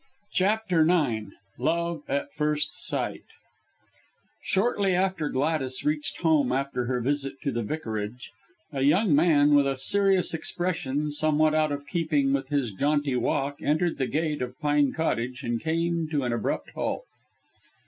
CHAPTER IX LOVE AT FIRST SIGHT Shortly after Gladys reached home after her visit to the Vicarage, a young man with a serious expression somewhat out of keeping with his jaunty walk, entered the gate of Pine Cottage, and came to an abrupt halt.